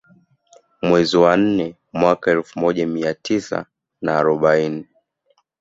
Mwezi wa nne mwaka wa elfu moja mia tisa na arobaini